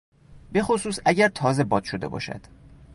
بخصوص اگر تازه باد شده باشد.